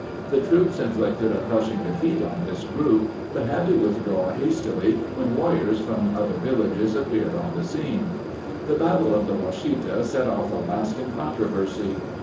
The troops inflicted a crushing defeat on this group but had to withdraw hastily when warriors from other villages appeared on the scene. The Battle of the Washita set off a lasting controversy.